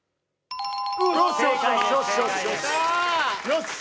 よし！